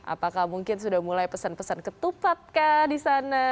apakah mungkin sudah mulai pesan pesan ketupatkah di sana